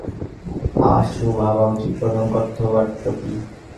আশু ভাবা উচিত প্রথম কর্তব্যটা কী।